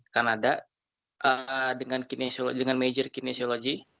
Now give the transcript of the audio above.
saya belajar di kanada dengan major kinesiologi